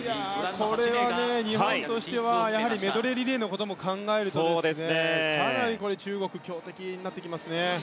これは日本としてはやはりメドレーリレーのことも考えるとかなり中国強敵になってきますね。